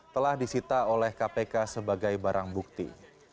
telah disita oleh kpk sebagai barang bukti